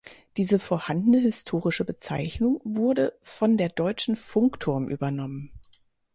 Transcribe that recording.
Diese vorhandene historische Bezeichnung wurde von der Deutschen Funkturm übernommen.